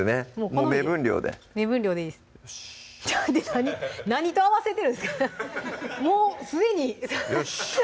もう目分量で目分量でいいですちょっ待って何何と合わせてるんですかもうすでによし！